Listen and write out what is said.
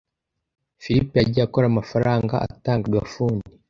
Philip yagiye akora amafaranga atanga agafuni.